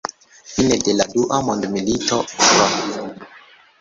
Fine de la Dua Mondmilito, Fr.